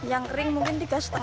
yang kering mungkin tiga lima